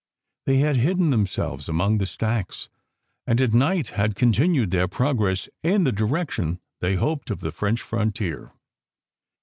They had hidden themselves among the stacks, and at night had continued their progress in the direction they hoped of the French fron tier.